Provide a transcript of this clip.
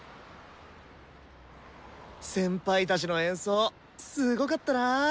先輩たちの演奏すごかったな。